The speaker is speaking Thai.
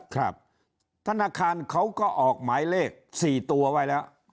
ธนาคารเขาก็ออกหมายเลข๔ตัวไว้แล้ว